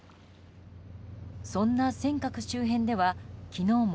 そんな尖閣周辺では、昨日も